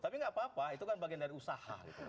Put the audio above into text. tapi nggak apa apa itu kan bagian dari usaha